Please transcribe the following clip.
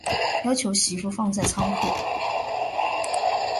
要求媳妇放在仓库